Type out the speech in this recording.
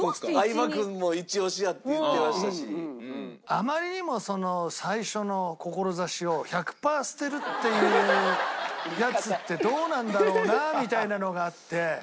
あまりにも最初の志を１００パー捨てるっていうヤツってどうなんだろうなみたいなのがあって。